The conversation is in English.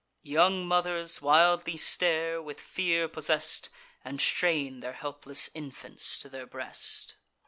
Young mothers wildly stare, with fear possess'd, And strain their helpless infants to their breast.